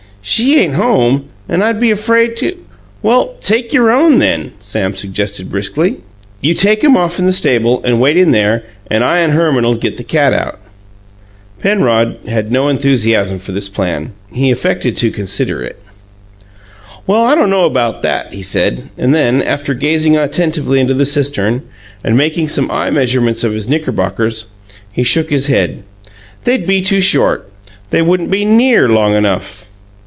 "She ain't home, and I'd be afraid to " "Well, take your own, then," Sam suggested briskly. "You take 'em off in the stable, and wait in there, and I and Herman'll get the cat out." Penrod had no enthusiasm for this plan; but he affected to consider it. "Well, I don't know 'bout that," he said, and then, after gazing attentively into the cistern and making some eye measurements of his knickerbockers, he shook his head. "They'd be too short. They wouldn't be NEAR long enough!"